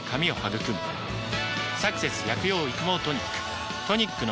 「サクセス薬用育毛トニック」